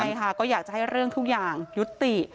ใช่ค่ะก็อยากจะให้เรื่องทุกอย่างยุติ